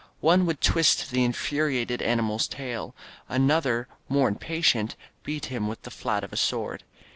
One would twist the infuriated animal's tail. Another, more impatient, beat him with the flat of a sword.